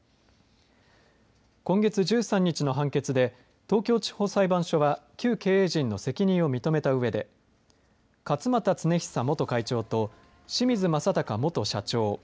今月１３日の判決で東京地方裁判所は旧経営陣の責任を認めたうえで勝俣恒久元会長と清水正孝元社長